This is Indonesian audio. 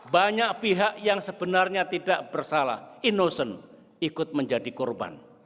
banyak pihak yang sebenarnya tidak bersalah innocent ikut menjadi korban